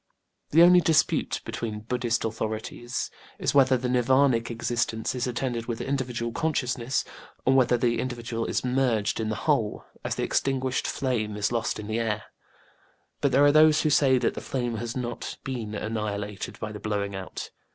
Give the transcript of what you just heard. The only dispute between BudĖĢdĖĢhist authorities is whether this NirvÄnĖĢic existence is attended with individual consciousness, or whether the individual is merged in the whole, as the extinguished flame is lost in the air. But there are those who say that the flame has not been annihilated by the blowing out.